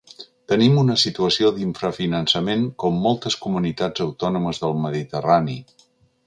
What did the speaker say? Tenim una situació d’infrafinançament com moltes comunitats autònomes del mediterrani.